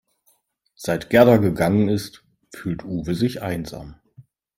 Seit Gerda gegangen ist, fühlt Uwe sich einsam.